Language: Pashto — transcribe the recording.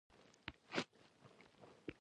د حاصل د زیاتوالي لپاره د خاورې تحلیل ضروري دی.